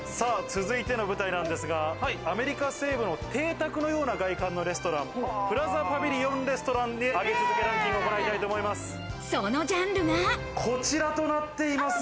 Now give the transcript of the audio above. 続いての舞台なんですが、アメリカ西部の邸宅のような外観のレストラン、プラザパビリオン・レストランで上げ続けランキングを行いたいと思います。